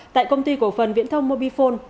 tại công ty cổ phần viễn thông mobifone